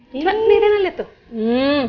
coba nih rena liat tuh